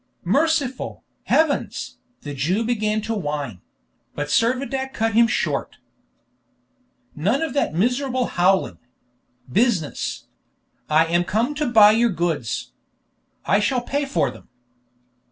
"Merciful, heavens!" the Jew began to whine; but Servadac cut him short. "None of that miserable howling! Business! I am come to buy your goods. I shall pay for them."